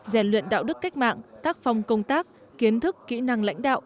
rèn luyện đạo đức cách mạng tác phong công tác kiến thức kỹ năng lãnh đạo